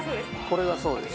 これがそうです